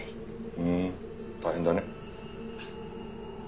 ふん大変だね。